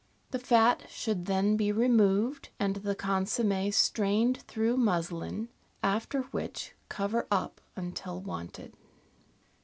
The fat should then be removed, and the con somm^ strained through muslin, after which cover up until wanted.